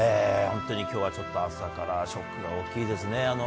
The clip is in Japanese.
本当にきょうはちょっと朝からショックが大きいですね。